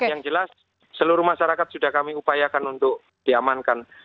yang jelas seluruh masyarakat sudah kami upayakan untuk diamankan